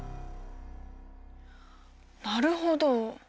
なるほど。